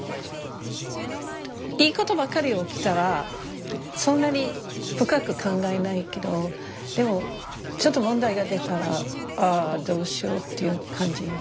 いいことばっかり起きたらそんなに深く考えないけどでもちょっと問題が出たら「ああどうしよう」っていう感じよね。